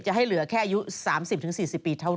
จะให้เหลือแค่อายุสามสิบถึงสี่สิบปีเท่านั้น